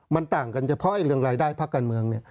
มันต่างกันเฉพาะเรื่องรายได้ภาคการเมือง